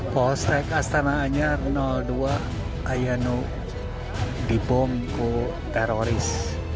postek astana anyar dua ayanu dibomku teroris